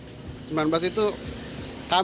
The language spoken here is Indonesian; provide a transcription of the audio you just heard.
kami juga di sini sampai susah untuk mencari apa